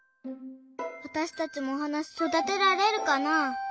わたしたちもおはなそだてられるかな？